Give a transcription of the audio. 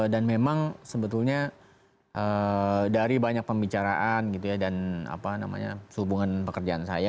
dan memang sebetulnya dari banyak pembicaraan gitu ya dan apa namanya hubungan pekerjaan saya gitu ya